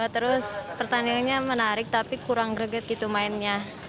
terus pertandingannya menarik tapi kurang greget gitu mainnya